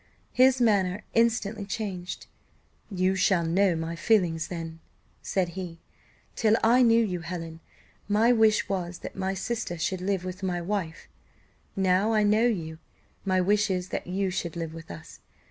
His manner instantly changed. "You shall know my feelings, then," said he. "Till I knew you, Helen, my wish was, that my sister should live with my wife; now I know you, my wish is, that you should live with us.